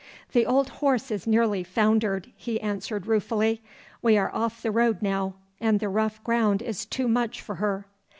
'The old horse is nearly foundered,' he answered ruefully. 'We are off the road now, and the rough ground is too much for her.